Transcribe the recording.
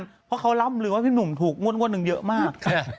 เพราะเขาร่ำลือว่าพี่หนุ่มถูกงวดหนึ่งเยอะมาก